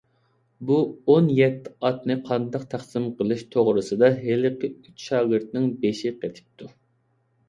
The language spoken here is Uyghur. بۇ ئون يەتتە ئاتنى قانداق تەقسىم قىلىش توغرىسىدا ھېلىقى ئۈچ شاگىرتنىڭ بېشى قېتىپتۇ.